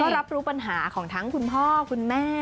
รับรู้ปัญหาของทั้งคุณพ่อคุณแม่